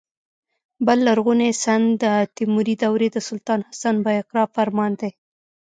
بل لرغونی سند د تیموري دورې د سلطان حسن بایقرا فرمان دی.